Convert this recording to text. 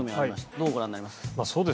どうご覧になりますか。